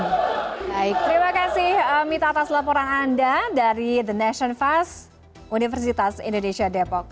baik terima kasih mita atas laporan anda dari the nation fast universitas indonesia depok